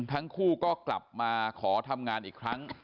ทั้งคู่ก็กลับมาขอทำงานอีกครั้ง